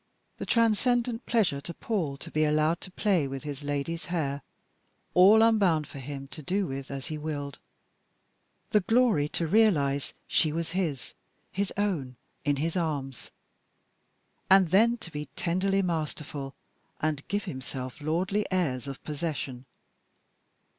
The transcendent pleasure to Paul to be allowed to play with his lady's hair, all unbound for him to do with as he willed? The glory to realise she was his his own in his arms? And then to be tenderly masterful and give himself lordly airs of possession.